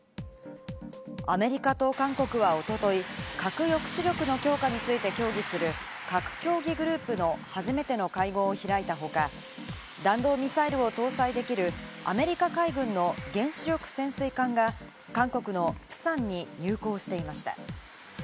アメリカと韓国はおととい、核抑止力の強化について協議する核協議グループの初めての会合を開いた他、弾道ミサイルを搭載できるアメリカ海軍の原子力潜水艦が韓国のプサンに入港していました。